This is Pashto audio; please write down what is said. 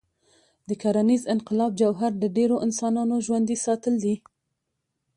د کرنيز انقلاب جوهر د ډېرو انسانانو ژوندي ساتل دي.